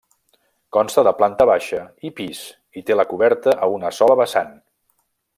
Consta de planta baixa i pis i té la coberta a una sola vessant.